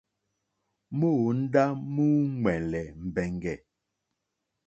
Móǒndá múúŋwɛ̀lɛ̀ mbɛ̀ŋgɛ̀.